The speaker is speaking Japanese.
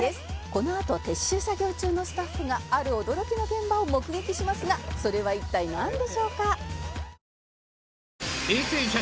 「このあと撤収作業中のスタッフがある驚きの現場を目撃しますがそれは一体なんでしょうか？」